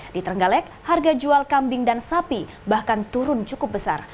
di terenggalek harga jual kambing dan sapi bahkan turun cukup besar